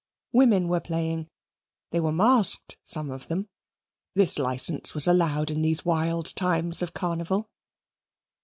Women were playing; they were masked, some of them; this license was allowed in these wild times of carnival.